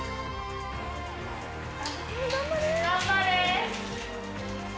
頑張れ